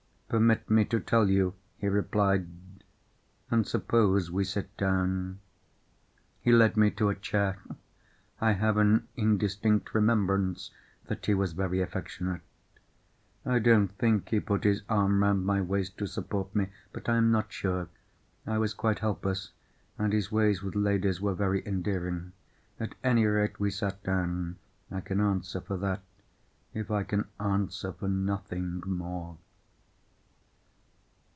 "Permit me to tell you," he replied. "And suppose we sit down?" He led me to a chair. I have an indistinct remembrance that he was very affectionate. I don't think he put his arm round my waist to support me—but I am not sure. I was quite helpless, and his ways with ladies were very endearing. At any rate, we sat down. I can answer for that, if I can answer for nothing more.